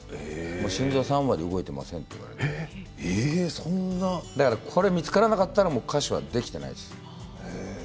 心臓が３割動いていませんってこれ見つからなかったらもう歌手はできていないです。